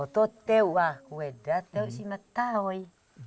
tau tew aku tew si mentawai